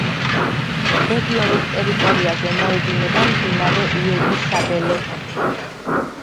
რეგიონის ტერიტორიაზე მოედინება მდინარე უები-შაბელე.